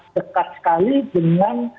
dekat sekali dengan